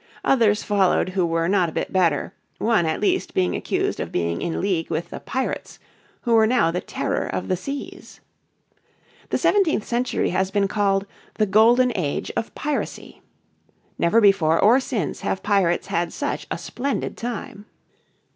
Others followed who were not a bit better, one at least being accused of being in league with the pirates who were now the terror of the seas. The seventeenth century has been called "The Golden Age of Piracy." Never before or since have pirates had such a splendid time.